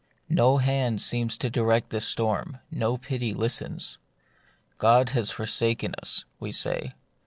No hand seems to direct the storm, no pity listens. " God has forsaken us," we say.